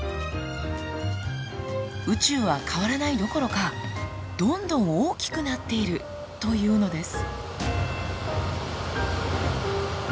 宇宙は変わらないどころかどんどん大きくなっているというのです。